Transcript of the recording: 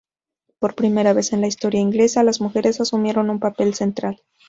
Por primera vez en la historia inglesa, las mujeres asumieron un papel central.